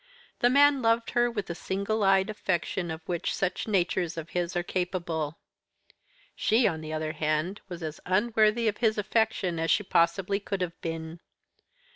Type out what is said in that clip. The man loved her with the single eyed affection of which such natures as his are capable. She, on the other hand, was as unworthy of his affection as she possibly could have been.